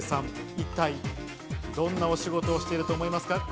一体どんなお仕事していると思いますか？